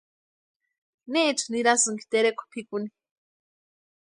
¿Neecha nirasïnki terekwa pʼikuni?